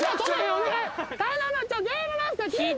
お願い。